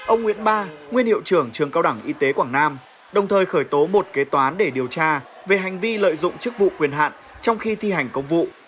ông nguyễn ba nguyên hiệu trưởng trường cao đẳng y tế quảng nam đồng thời khởi tố một kế toán để điều tra về hành vi lợi dụng chức vụ quyền hạn trong khi thi hành công vụ